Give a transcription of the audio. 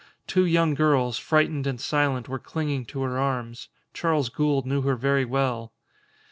Two young girls, frightened and silent, were clinging to her arms. Charles Gould knew her very well.